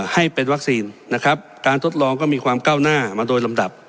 ให้เป็นวัคซีนนะครับการทดลองก็มีความก้าวหน้ามาโดยลำดับ